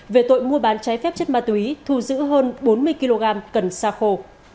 về tội mua bán trái phép chất ma túy thu giữ hơn bốn mươi kg cần xa khổ